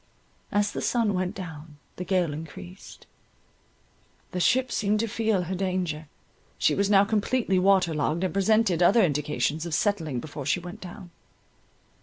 As the sun went down, the gale encreased; the ship seemed to feel her danger, she was now completely water logged, and presented other indications of settling before she went down.